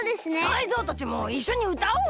タイゾウたちもいっしょにうたおうよ。